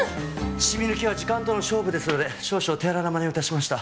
シミ抜きは時間との勝負ですので少々手荒なまねを致しました。